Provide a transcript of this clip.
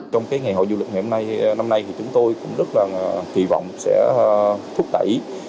trong ngày hội du lịch năm nay chúng tôi rất kỳ vọng sẽ thúc đẩy